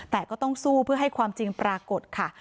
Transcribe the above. แต่ก็ต้องสู้เพื่อให้ความจริงปรากฏค่ะ